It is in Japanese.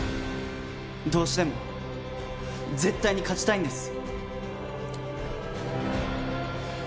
どうしても絶対に勝ちたいんです。